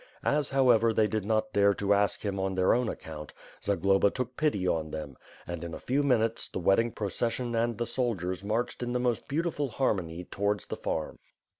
As, however, they did not dare to ask him on their own account, Zagloba took pity on them, and, in a few minutes, the wedding procession and the soldiers marched in the most beautiful harmony towards the farm.